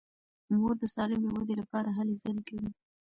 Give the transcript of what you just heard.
مور د سالمې ودې لپاره هلې ځلې کوي.